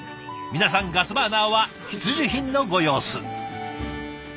皆さんガスバーナーは必需品のご様子。